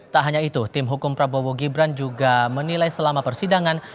tak hanya itu tim hukum prabowo gibran juga menilai selama persidangan